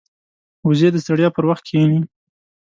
وزې د ستړیا پر وخت کښیني